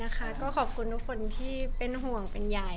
อ่อยังปกติตีค่ะขอบคุณทุกคนที่เป็นห่วงเป็นใหญ่